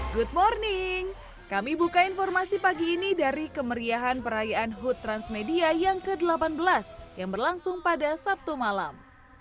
good morning kami buka informasi pagi ini dari kemeriahan perayaan hut transmedia yang ke delapan belas yang berlangsung pada sabtu malam